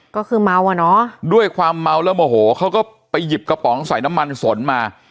ก็คือเมาอ่ะเนอะด้วยความเมาแล้วโมโหเขาก็ไปหยิบกระป๋องใส่น้ำมันสนมา